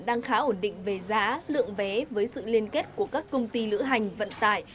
đang khá ổn định về giá lượng vé với sự liên kết của các công ty lữ hành vận tải